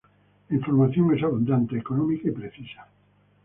La información es abundante, económica y precisa.